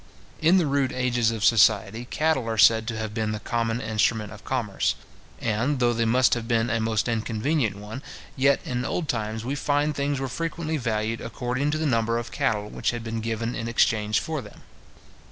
In the rude ages of society, cattle are said to have been the common instrument of commerce; and, though they must have been a most inconvenient one, yet, in old times, we find things were frequently valued according to the number of cattle which had been given in exchange for them.